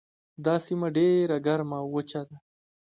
دا سیمه ډیره ګرمه او وچه ده.